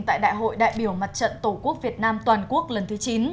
tại đại hội đại biểu mặt trận tổ quốc việt nam toàn quốc lần thứ chín